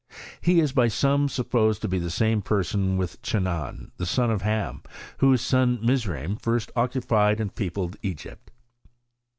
He is by some supposed to be the same person with Chanaan, the son of Ham, whose son Mizraim first occupied and peopled Egypt.